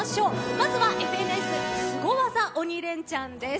まずはＦＮＳスゴ技鬼レンチャンです。